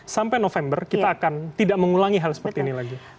sampai november kita akan tidak mengulangi hal seperti ini lagi